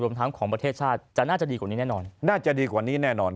รวมทั้งของประเทศชาติจะน่าจะดีกว่านี้แน่นอน